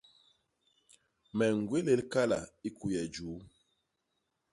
Me ñgwélél kala i kuye juu.